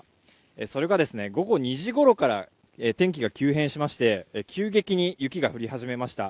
それが、午後２時ごろから天気が急変しまして急激に雪が降り始めました。